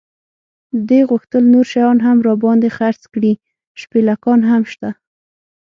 دې غوښتل نور شیان هم را باندې خرڅ کړي، شپلېکان هم شته.